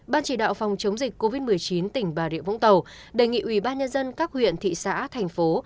ban chỉ đạo phòng chống dịch covid một mươi chín tỉnh bà rịa vũng tàu đề nghị ubnd các huyện thị xã thành phố